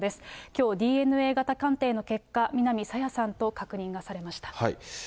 きょう、ＤＮＡ型鑑定の結果、南朝芽さんと確認されました。